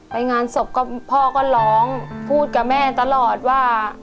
ไปงานศพก็พ่อก็ร้องพูดกับแม่ตลอดว่า